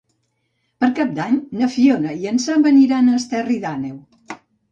Per Cap d'Any na Fiona i en Sam aniran a Esterri d'Àneu.